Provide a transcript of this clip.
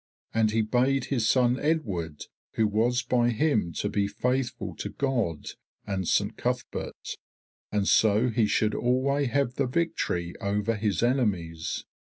And he bade his son Edward who was by him to be faithful to God and Saint Cuthberht, and so he should alway have the victory over his enemies.